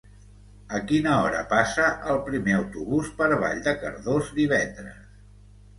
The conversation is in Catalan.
A quina hora passa el primer autobús per Vall de Cardós divendres?